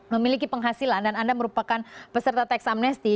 memiliki penghasilan dan anda merupakan peserta teksamnesti